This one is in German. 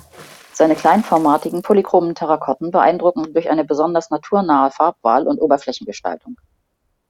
Seine kleinformatigen polychromen Terrakotten beeindrucken durch eine besonders naturnahe Farbwahl und Oberflächengestaltung.